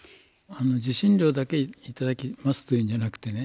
受信料だけ頂きますというのじゃなくてね